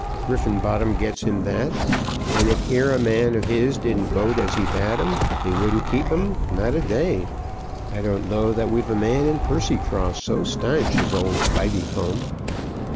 Griffenbottom gets him that; and if ere a man of his didn't vote as he bade 'em, he wouldn't keep 'em, not a day. I don't know that we've a man in Percycross so stanch as old Spiveycomb."